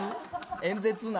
演説なの？